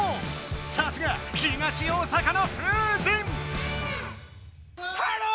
さすが東大阪の風神！